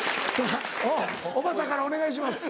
おばたからお願いします。